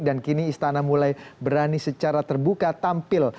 dan kini istana mulai berani secara terbuka tampil